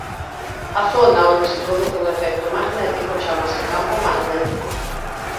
A zona onde se produce un efecto magnético chámase campo magnético.